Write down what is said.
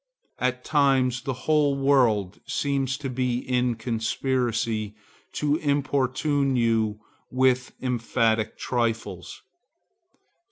At times the whole world seems to be in conspiracy to importune you with emphatic trifles.